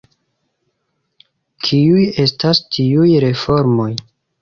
Kiuj estas tiuj reformoj?